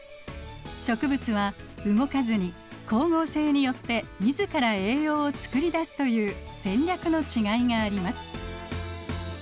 植物は動かずに光合成によって自ら栄養を作り出すという戦略のちがいがあります。